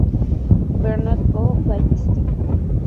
Bernard o baie St.